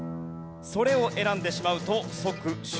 それを選んでしまうと即終了。